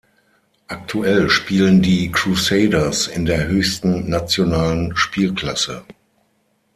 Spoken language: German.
Aktuell spielen die Crusaders in der höchsten nationalen Spielklasse.